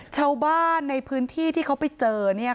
ชาวบ้านในพื้นที่ที่เขาไปเจอ